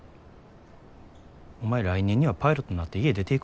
お前来年にはパイロットになって家出ていくんやろ。